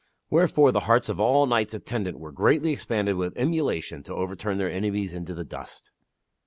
Wherefore the hearts of all the knights attendant were greatly expanded with emulation to overturn their enemies into the dust.